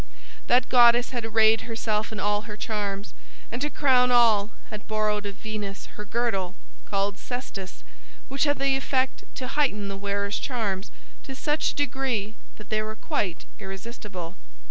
That goddess had arrayed herself in all her charms, and to crown all had borrowed of Venus her girdle, called "Cestus," which had the effect to heighten the wearer's charms to such a degree that they were quite irresistible.